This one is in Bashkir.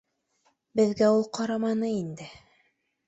Беҙгә ул ҡараманы инде